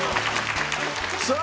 さあ